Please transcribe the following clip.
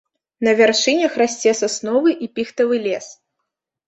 На вяршынях расце сасновы і піхтавы лес.